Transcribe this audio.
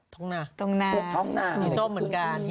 ทรงหน้ายี่ส้มเหมือนกัน